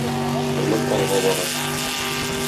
Тормыш алга бара.